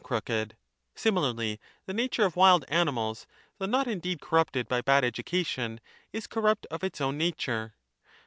crooked ; similarly the nature of wild aniuials, though not indeed corrupted by Ijad education, is corrupt of its own nature.